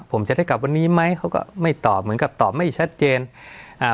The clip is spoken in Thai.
ผมจะได้กลับวันนี้ไหมเขาก็ไม่ตอบเหมือนกับตอบไม่ชัดเจนอ่า